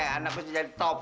anak gue jadi top